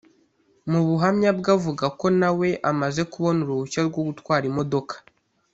Mu buhamya bwe avuga ko na we amaze kubona uruhushya rwo gutwara imodoka